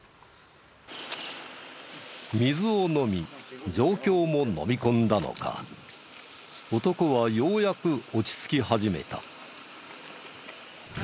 水を飲み状況ものみ込んだのか男はようやく落ち着き始めた。